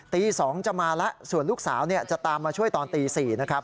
ตี๒จะมาแล้วส่วนลูกสาวจะตามมาช่วยตอนตี๔นะครับ